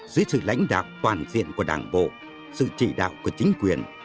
dưới sự lãnh đạo toàn diện của đảng bộ sự chỉ đạo của chính quyền